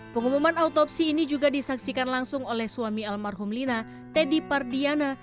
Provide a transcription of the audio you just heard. pengumuman autopsi ini juga disaksikan langsung oleh suami almarhum lina teddy pardiana